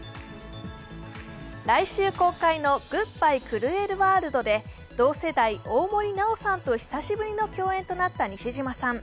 来週公開の「グッバイ・クルエル・ワールド」で同世代、大森南朋さんと久しぶりの共演となった西島さん。